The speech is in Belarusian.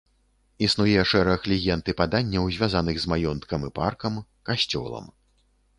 Існуе шэраг легенд і паданняў, звязаных з маёнткам і паркам, касцёлам.